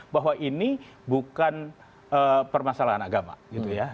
bahwa ini bukan permasalahan agama gitu ya